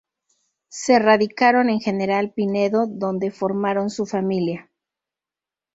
Se radicaron en General Pinedo donde formaron su familia.